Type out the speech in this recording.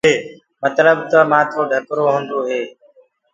متلب تو مآٿو ڍڪرو هوندو هي۔